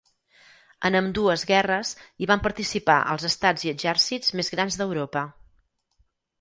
En ambdues guerres hi van participar els estats i exèrcits més grans d'Europa.